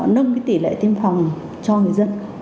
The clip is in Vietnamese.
nâng cái tỉ lệ tiêm phòng cho người dân